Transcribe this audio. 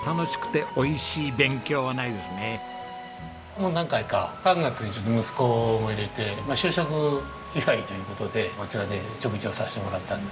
もう何回か３月にちょっと息子も入れて就職祝いという事でこちらで食事をさせてもらったんですけど。